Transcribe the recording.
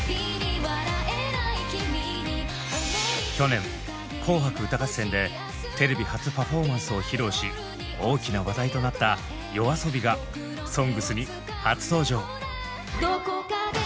去年「紅白歌合戦」でテレビ初パフォーマンスを披露し大きな話題となったＹＯＡＳＯＢＩが「ＳＯＮＧＳ」に初登場！